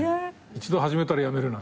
「一度始めたらやめるな」